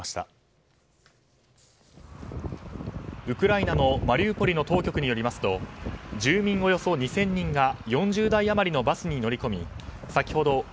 ウクライナのマリウポリの当局によりますと住民およそ２０００人が４０台余りのバスに乗り込み先ほど